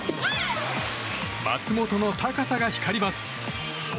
松本の高さが光ります。